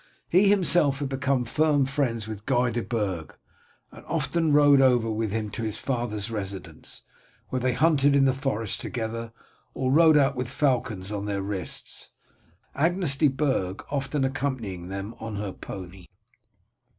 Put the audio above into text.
He himself had become firm friends with Guy de Burg, and often rode over with him to his father's residence, where they hunted in the forest together or rode out with falcons on their wrists, Agnes de Burg often accompanying them on her pony.